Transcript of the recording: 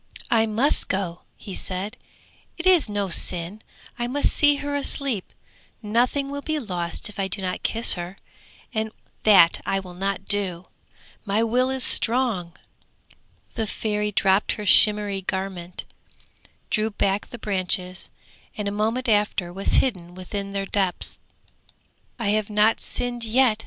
'I must go,' he said, 'it is no sin; I must see her asleep; nothing will be lost if I do not kiss her, and that I will not do. My will is strong.' The Fairy dropped her shimmering garment, drew back the branches, and a moment after was hidden within their depths. 'I have not sinned yet!'